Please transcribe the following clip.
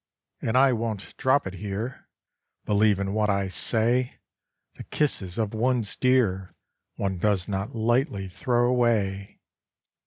And I won't drop it here, Believe in what I say! The kisses of one's dear One does not lightly throw away.